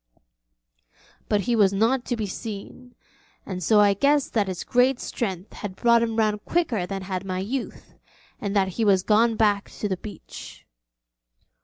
But he was not to be seen, and so I guessed that his great strength had brought him round quicker than had my youth, and that he was gone back to the beach.